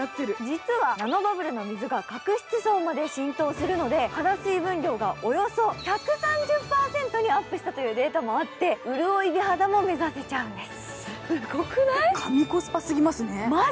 実はナノバブルの水が角質層まで浸透するので、肌水分量がおよそ１３０％にアップしたというデータもあって潤い美肌も目指せちゃうんです。